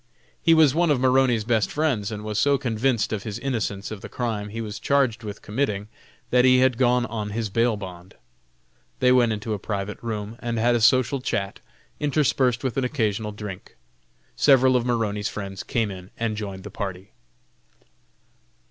He was one of Maroney's best friends and was so convinced of his innocence of the crime he was charged with committing that he had gone on his bail bond. They went into a private room and had a social chat, interspersed with an occasional drink. Several of Maroney's friends came in and joined the party.